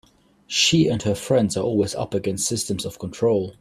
She and her friends are always up against systems of control.